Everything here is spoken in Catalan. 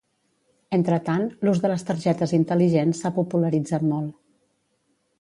Entretant, l'ús de les targetes intel·ligents s'ha popularitzat molt.